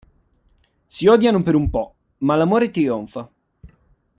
Si odiano per un po', ma l'amore trionfa.